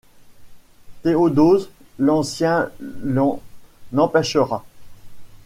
Théodose l'Ancien l'en empêchera.